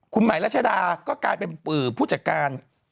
คุณหมายรัชดาก็กลายเป็นผู้จัดการ